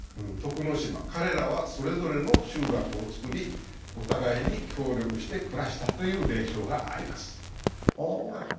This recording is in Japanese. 徳之島彼らはそれぞれの集落をつくりお互いに協力して暮らした」という伝承があります。